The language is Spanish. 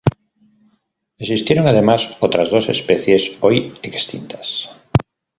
Existieron además otras dos especies hoy extintas.